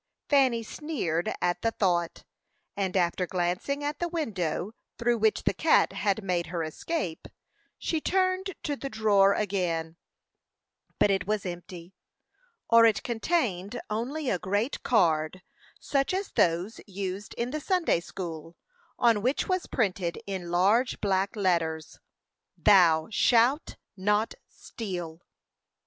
Fanny sneered at the thought, and after glancing at the window through which the cat had made her escape, she turned to the drawer again, but it was empty; or it contained only a great card, such as those used in the Sunday school, on which was painted, in large black letters, THOU SHALT NOT STEAL!